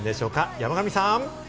山神さん。